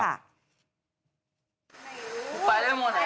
ไม่รู้ไปได้หมดไอ้